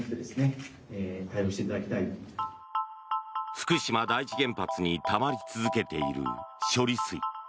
福島第一原発にたまり続けている処理水。